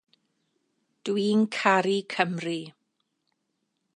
Dw i'n caru Cymru.